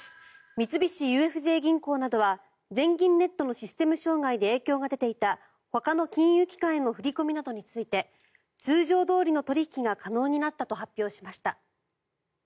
三菱ＵＦＪ銀行などは全銀ネットのシステム障害で影響が出ていたほかの金融機関への振り込みなどについて通常どおりの取引が可能になったと発表しました。